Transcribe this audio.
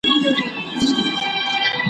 حیوانان او انسانان به مري له تندي ,